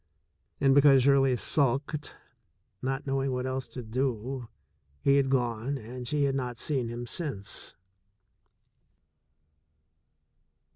And because Shirley sulked, not knowing what else to do, he had gone and she had not seen him since.